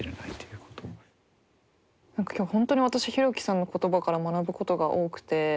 何か今日本当に私ヒロキさんの言葉から学ぶことが多くて。